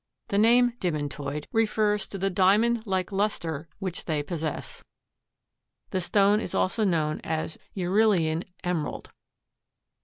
The name demantoid refers to the diamond like luster which they possess. The stone is also known as "Uralian emerald."